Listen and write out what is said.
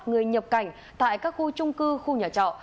người nhập cảnh tại các khu trung cư khu nhà trọ